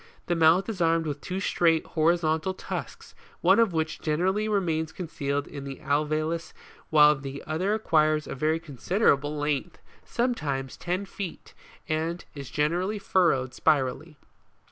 The mouth is armed with two straight, horizontal tusks, one of which generally re mains concealed in the alveolus while the other acquires a very considerable length, sometimes ten feet, and is generally furrowed spirally.